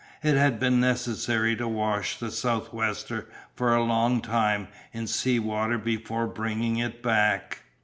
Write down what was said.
It had been necessary to wash the sou'wester for a long time in sea water before bringing it back.